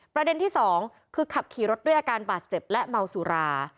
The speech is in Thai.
ประเด็นที่สองคือขับขี่รถด้วยอาการบาดเจ็บและเมาสุรา